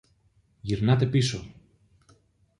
Γυρνάτε πίσω!